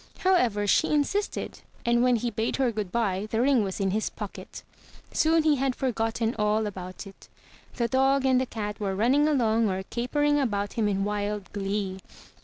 However, she insisted, and when he bade her good bye the ring was in his pocket. Soon he had forgotten all about it. The dog and the cat were running along or capering about him in wild glee.